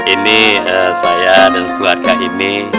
ini saya dan sekeluarga ini